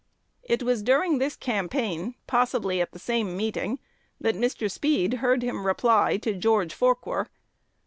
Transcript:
It was during this campaign, possibly at the same meeting, that Mr. Speed heard him reply to George Forquer.